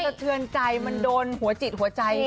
มันเสียเฉินใจมันโดนหัวจิตหัวใจ